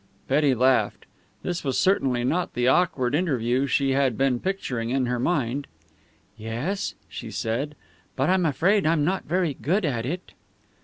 Betty laughed. This was certainly not the awkward interview she had been picturing in her mind. "Yes," she said, "but I'm afraid I'm not very good at it."